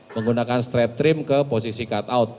menggunakan strap trim ke posisi cut out